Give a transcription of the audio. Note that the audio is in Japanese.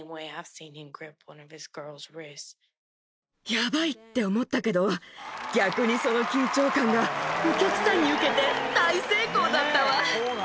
やばいって思ったけど、逆にその緊張感がお客さんに受けて、大成功だったわ。